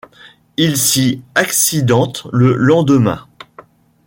Il s'y accidente le lendemain.